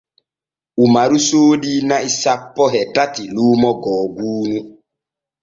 Umaru soodi na'i sanpo e tati luumo googuunu.